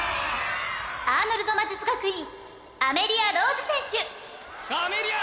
アーノルド魔術学院アメリア＝ローズ選手アメリアー！